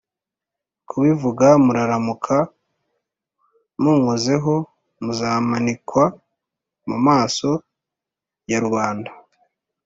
kubivuga muraramuka munkozeho muzamanikwa mumaso yarubanda ,